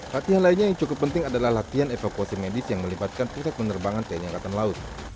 latihan lainnya yang cukup penting adalah latihan evakuasi medis yang melibatkan pusat penerbangan tni angkatan laut